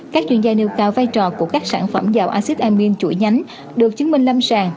các chuyên gia nêu cao vai trò của các sản phẩm dầu acid amin chuỗi nhánh được chứng minh lâm sàng